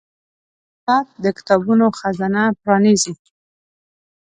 استاد د کتابونو خزانه پرانیزي.